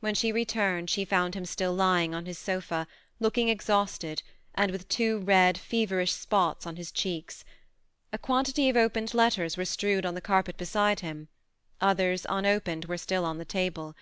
When she returned she found him still lying on his sofa, looking exhausted, and with two red, feverish spots on his cheeks. A quantity of opened letters were strewed on the carpet beside him; others, un opened, were still on the table.